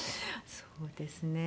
そうですね。